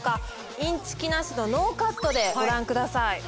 インチキなしのノーカットでご覧ください